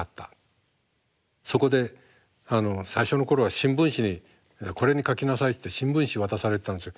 そこで最初の頃は新聞紙に「これに描きなさい」っていって新聞紙渡されてたんですよ。